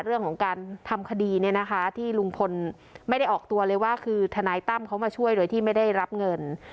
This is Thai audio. เรื่องของการทำคดีเนี่ยนะคะที่ลุงพลไม่ได้ออกตัวเลยว่าคือทนายตั้มเขามาช่วยโดยที่ไม่ได้รับเงิน